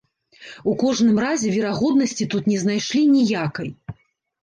У кожным разе верагоднасці тут не знайшлі ніякай.